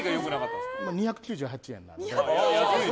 ２９８円なんです。